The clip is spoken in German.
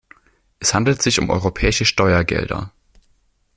Es handelt sich um europäische Steuergelder.